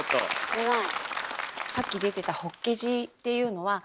すごい。